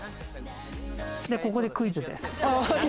ここでクイズです。